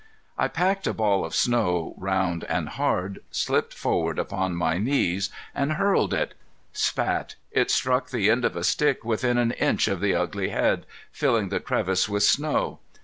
I packed a ball of snow round and hard, slipped forward upon my knees, and hurled it. "Spat!" it struck the end of a stick within an inch of the ugly head, filling the crevice with snow.